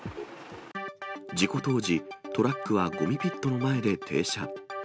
事故当時、トラックはごみピットの前で停車。